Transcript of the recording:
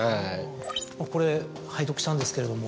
これ拝読したんですけれども。